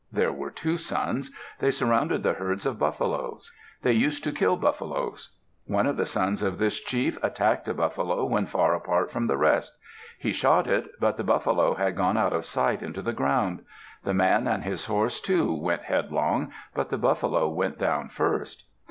There were two sons. They surrounded the herds of buffaloes. They used to kill buffaloes. One of the sons of this chief attacked a buffalo when far apart from the rest. He shot it; but the buffalo had gone out of sight into the ground. The man and his horse, too, went headlong; but the buffalo went down first.